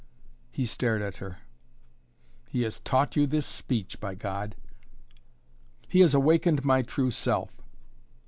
He stared at her. "He has taught you this speech, by God!" "He has awakened my true self!